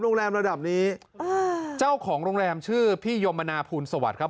โรงแรมระดับนี้อ่าเจ้าของโรงแรมชื่อพี่ยมนาภูลสวัสดิ์ครับ